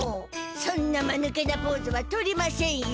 そんなまぬけなポーズはとりましぇんよ。